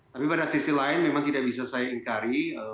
tapi pada sisi lain memang tidak bisa saya ingkari